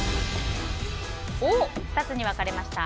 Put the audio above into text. ２つに分かれました。